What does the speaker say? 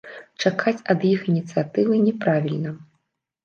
Чакаць ад іх ініцыятывы няправільна.